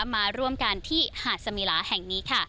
มาร่วมกันที่หาดสมิลาแห่งนี้ค่ะ